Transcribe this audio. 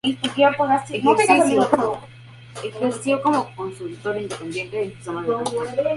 Ejerció como consultor independiente de sistemas de transporte.